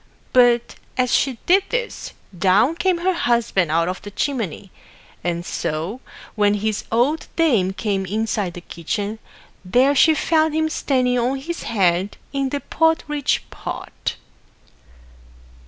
But, as she did this, down came her Husband out of the chimney; and so, when his old dame came inside the kitchen, there she found him standing on his head in the porridge pot.